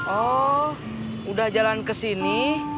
oh udah jalan kesini